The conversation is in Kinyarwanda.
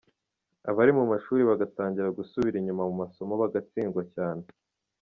Abari mu mashuri bagatangira gusubira inyuma mu masomo bagatsindwa cyane.